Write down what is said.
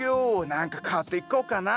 何か買っていこうかな！